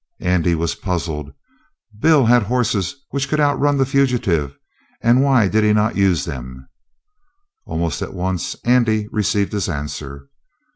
Andy was puzzled. Bill had horses which could outrun the fugitive, and why did he not use them? Almost at once Andy received his answer.